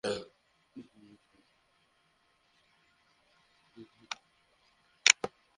বিশ্বকাপ বাছাইপর্বের শেষ তিনটি ম্যাচে ধারাবাহিকতা ধরে রাখার ওপরও দিলেন জোর।